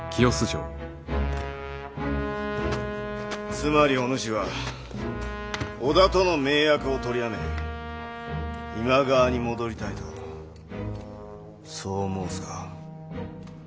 つまりお主は織田との盟約を取りやめ今川に戻りたいとそう申すか。